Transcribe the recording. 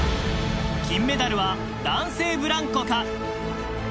金メダルは男性ブランコか？